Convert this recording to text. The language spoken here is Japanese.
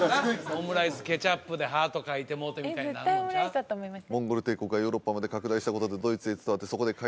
オムライスケチャップでハート描いてもろうてみたいな絶対オムライスだと思いました